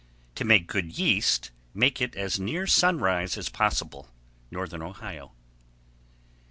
To make good yeast, make it as near sunrise as possible. _Northern Ohio.